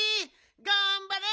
がんばれ！